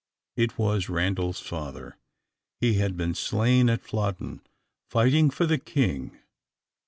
It was Randal's father. He had been slain at Flodden, fighting for the king.